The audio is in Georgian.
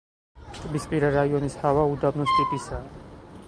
ტბისპირა რაიონის ჰავა უდაბნოს ტიპისაა.